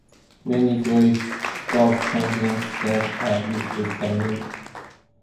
Many great golf champions since have used this technique.